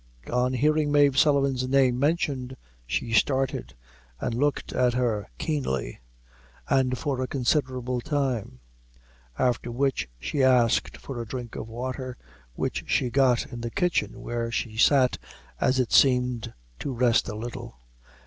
On hearing Mave Sullivan's name mentioned, she started, and looked at her keenly, and for a considerable time; after which she asked for a drink of water, which she got in the kitchen, where she sat, as it seemed to rest a little.